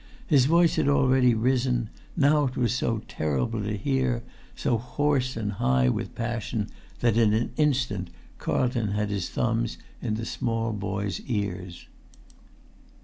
His voice had already risen; now it was so terrible to hear, so hoarse and high with passion, that in an instant Carlton had his thumbs in the small boy's ears.